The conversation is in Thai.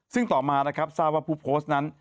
ซึ่งต่อมาทราบว่าผู้โพสต์นั้น